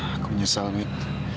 aku menyesal mit